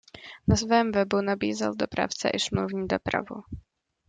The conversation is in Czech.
Na svém webu nabízel dopravce i smluvní dopravu.